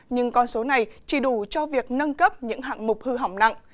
nhưng con số này chỉ đủ cho việc nâng cấp những hạng mục hư hỏng nặng